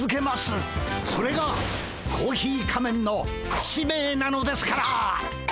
それがコーヒー仮面の使命なのですから！